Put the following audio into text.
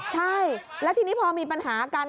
ใช่แล้วทีนี้พอมีปัญหากัน